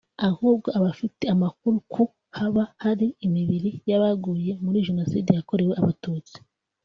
ahubwo abafite amakuru ku haba hari imibiri y'abaguye muri Jenoside yakorewe Abatutsi